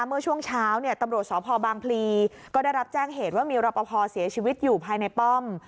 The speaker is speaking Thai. เมื่อช่วงเช้าเนี่ยตำรวจสพบางพลีก็ได้รับแจ้งเหตุว่ามีรอปภเสียชีวิตอยู่ภายในป้อม